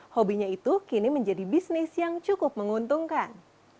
hobinya itu kini menjadi bisnis yang cukup menguntungkan